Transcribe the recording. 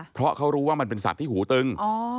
เพราะเขารู้ว่ามันเป็นสัตว์ที่หูตึง